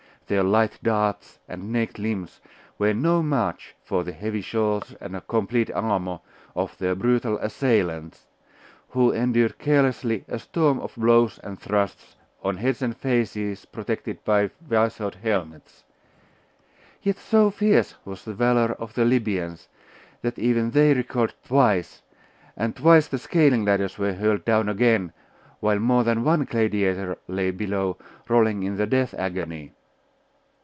Their light darts and naked limbs were no match for the heavy swords and complete armour of their brutal assailants, who endured carelessly a storm of blows and thrusts on heads and faces protected by visored helmets: yet so fierce was the valour of the Libyans, that even they recoiled twice, and twice the scaling ladders were hurled down again, while more than one gladiator lay below, rolling in the death agony.